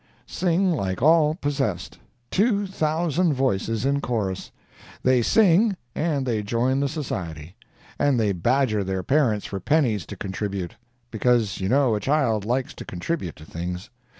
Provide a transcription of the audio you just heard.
Sing like all possessed—2,000 voices in chorus! They sing—and they join the Society—and they badger their parents for pennies to contribute. Because you know a child likes to contribute to things.